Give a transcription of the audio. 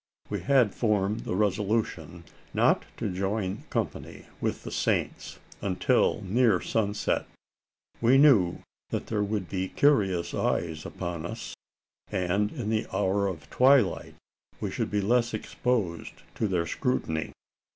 We had formed the resolution not to join company with the Saints, until near sunset. We knew that there would be curious eyes upon us; and in the hour of twilight we should be less exposed to their scrutiny.